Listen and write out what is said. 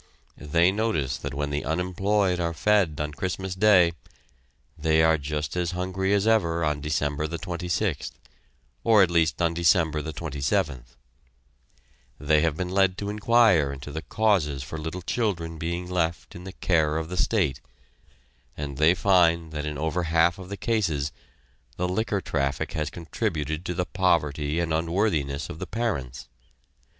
They notice that when the unemployed are fed on Christmas day, they are just as hungry as ever on December the twenty sixth, or at least on December the twenty seventh; they have been led to inquire into the causes for little children being left in the care of the state, and they find that in over half of the cases, the liquor traffic has contributed to the poverty and unworthiness of the parents.